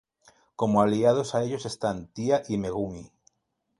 Como aliados a ellos están Tia y Megumi.